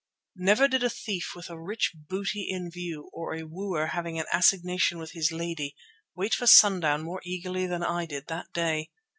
Never did a thief with a rich booty in view, or a wooer having an assignation with his lady, wait for sundown more eagerly than I did that day.